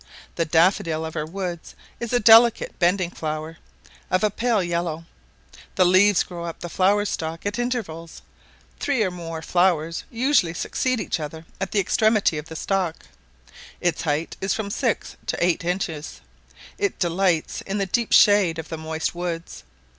The daffodil of our woods is a delicate bending flower, of a pale yellow; the leaves grow up the flower stalk at intervals; three or more flowers usually succeed each other at the extremity of the stalk: its height is from six to eight inches; it delights in the deep shade of moist woods.